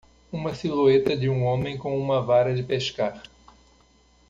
Uma silhueta de um homem com uma vara de pescar.